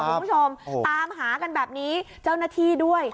คุณผู้ชมตามหากันแบบนี้เจ้าหน้าที่ด้วย